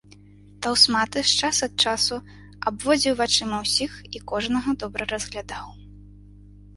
Таўсматы ж час ад часу абводзіў вачыма ўсіх і кожнага добра разглядаў.